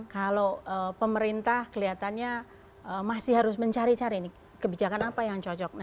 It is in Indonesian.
kalau pemerintah kelihatannya masih harus mencari cari kebijakan apa yang cocok